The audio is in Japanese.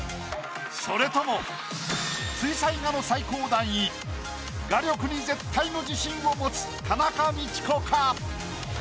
それとも水彩画の最高段位画力に絶対の自信を持つ田中道子か？